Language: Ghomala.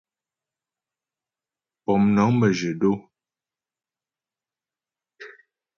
Pómnəŋ məjyə̂ dó.